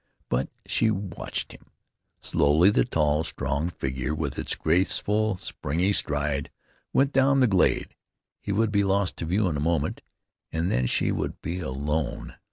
But she watched him. Slowly the tall, strong figure, with its graceful, springy stride, went down the glade. He would be lost to view in a moment, and then she would be alone.